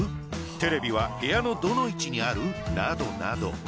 テレビは部屋のどの位置にある？などなど。